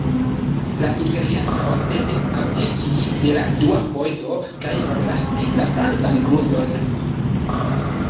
La imperiestro devis abdiki je la dua fojo kaj forlasi la francan grundon.